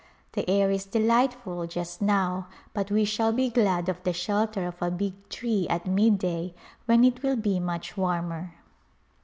The air is delightful just now but we shall be glad of the shelter of a big tree at midday when it will be much warmer.